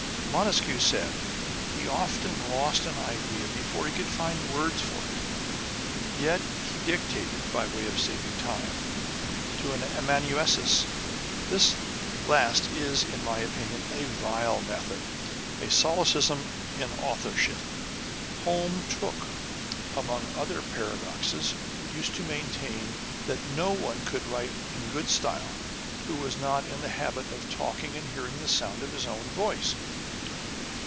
Montesquieu said, he often lost an idea before he could find words for it : yet he dictated, by way of saving time, to an amanuensis. This last is, in my opinion, a vile method, and a solecism in authorship. Home Tooke, among other paradoxes, used to maintain, that no one could write a good style who was not in the habit of talking and hearing the sound of his own voice.